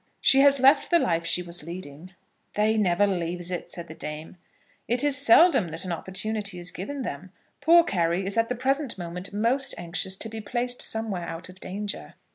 She has left the life she was leading " "They never leaves it," said the dame. "It is so seldom that an opportunity is given them. Poor Carry is at the present moment most anxious to be placed somewhere out of danger."